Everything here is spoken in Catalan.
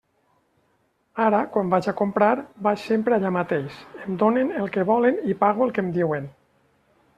Ara, quan vaig a comprar, vaig sempre allà mateix, em donen el que volen i pago el que em diuen.